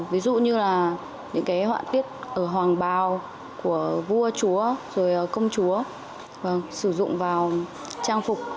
ví dụ như là những cái họa tiết ở hoàng bào của vua chúa rồi công chúa sử dụng vào trang phục